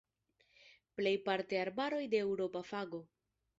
Plejparte arbaroj de eŭropa fago.